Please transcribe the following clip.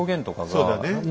そうだね。